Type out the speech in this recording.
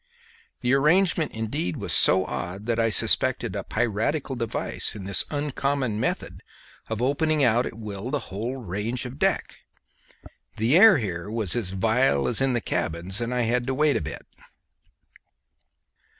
The arrangement indeed was so odd that I suspected a piratical device in this uncommon method of opening out at will the whole range of deck. The air here was as vile as in the cabins, and I had to wait a bit.